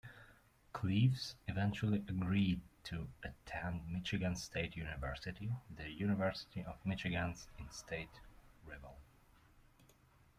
Cleaves eventually agreed to attend Michigan State University, the University of Michigan's in-state rival.